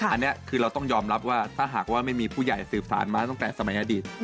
อันนี้คือเราต้องยอมรับว่าถ้าหากว่าไม่มีผู้ใหญ่สืบสารมาตั้งแต่สมัยอดีต